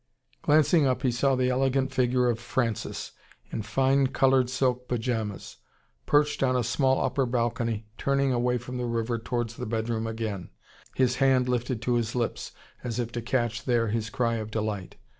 Glancing up, he saw the elegant figure of Francis, in fine coloured silk pyjamas, perched on a small upper balcony, turning away from the river towards the bedroom again, his hand lifted to his lips, as if to catch there his cry of delight.